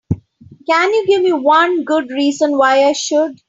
Can you give me one good reason why I should?